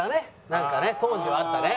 なんかね当時はあったね。